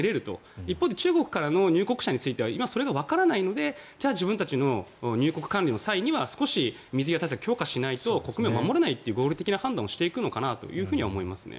一方で中国からの入国者については今それがわからないので自分たちの入国管理の際には水際対策を強化しないと国民が守れないという合理的な判断をしていくのかなと思います。